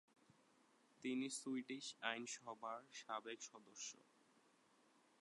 তিনি সুইডিশ আইনসভার সাবেক সদস্য।